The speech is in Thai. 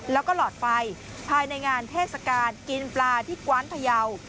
แล้วก็หลอดไฟภายในงานเทศกาลกินปลาที่กว้านพยาว